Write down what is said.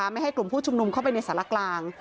ไม่ให้กลุ่มผู้ชุมนุมเข้าไปในสารกลาง